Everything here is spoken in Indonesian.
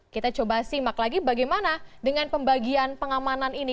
kita coba simak lagi bagaimana dengan pembagian pengamanan ini